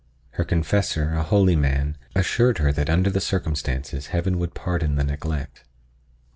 Her confessor, a holy man, assured her that under the circumstances Heaven would pardon the neglect.